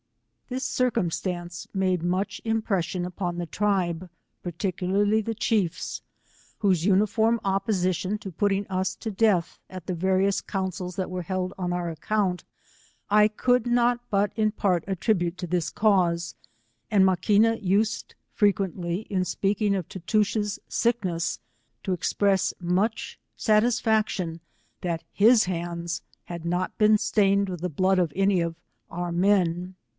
This circumstance made much impression upon the tribe, particularly the chiefs, whose uniform opposition to putting us to death, at the various councils that were held on our account, I could not but in part attribute to this cause, and Ma quina^ used frequently in speaking of Tootoosch's sickness, to express much satisfaction that hi s hand« had not been stained with the blood of any of our men.